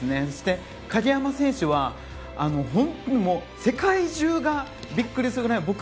そして鍵山選手は世界中がビックリするぐらい。